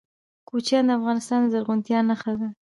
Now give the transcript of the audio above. کوچیان د افغانستان د زرغونتیا نښه ده.